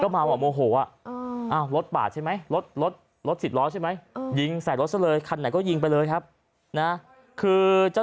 กวยเมาด้วยอ่าโมโห